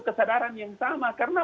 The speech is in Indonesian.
kesadaran yang sama karena